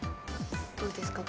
どうですか？